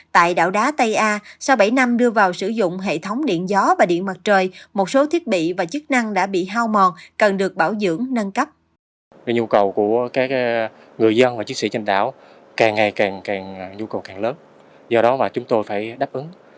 tại đảo đá tây a sau bảy năm đưa vào sử dụng hệ thống điện gió và điện mặt trời một số thiết bị và chức năng đã bị hao mòn cần được bảo dưỡng nâng cấp